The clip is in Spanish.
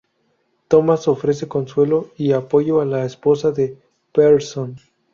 Tomas ofrece consuelo y apoyo a la esposa de Persson.